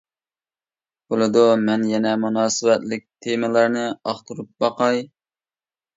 بولىدۇ، مەن يەنە مۇناسىۋەتلىك تېمىلارنى ئاختۇرۇپ باقاي.